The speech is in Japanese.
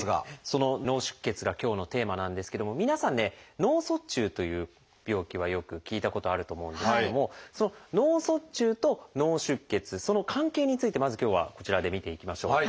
その「脳出血」が今日のテーマなんですけども皆さんね「脳卒中」という病気はよく聞いたことあると思うんですけどもその「脳卒中」と「脳出血」その関係についてまず今日はこちらで見ていきましょう。